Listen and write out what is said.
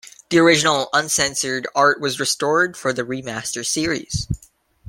The original uncensored art was restored for the remaster series.